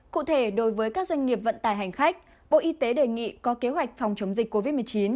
cụ thể đối với các doanh nghiệp vận tải hành khách bộ y tế đề nghị có kế hoạch phòng chống dịch covid một mươi chín